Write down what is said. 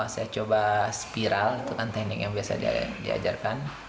saya coba spiral itu kan teknik yang biasa diajarkan